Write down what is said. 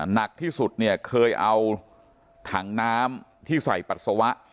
หนักที่สุดเนี่ยเคยเอาถังน้ำที่ใส่ปัสสาวะ